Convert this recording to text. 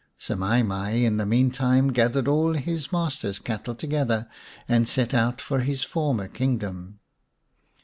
Semai mai in the meantime gathered all his master's cattle together and set out for his former kingdom.